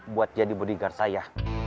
buat jadi bodyguard saya